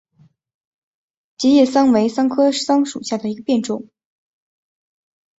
戟叶桑为桑科桑属下的一个变种。